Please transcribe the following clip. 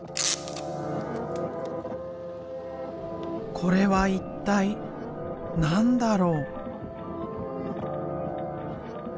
これは一体何だろう？